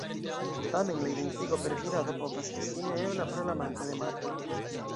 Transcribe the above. Tamen, la identigo per vidado povas esti neebla pro la manko de markoj.